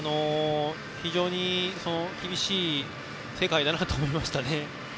非常に厳しい世界だなと思いましたね。